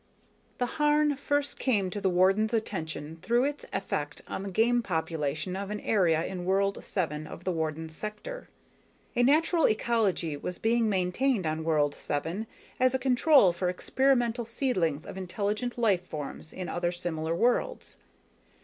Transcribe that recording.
_ _The Harn first came to the Warden's attention through its effect on the game population of an area in World 7 of the Warden's sector. A natural ecology was being maintained on World 7 as a control for experimental seedings of intelligent life forms in other similar worlds.